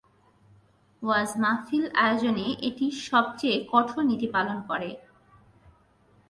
ওয়াজ মাহফিল আয়োজনে এটি সবচেয়ে কঠোর নীতি পালন করে।